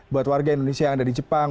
buat warga indonesia yang ada di jepang